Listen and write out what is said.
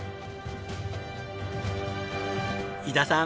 伊田さん